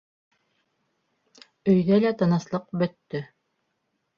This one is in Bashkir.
Өйҙә лә тыныслыҡ бөттө.